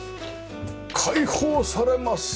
開放されます。